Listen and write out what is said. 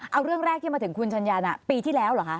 เอาเรื่องแรกที่มาถึงคุณชัญญาปีที่แล้วเหรอคะ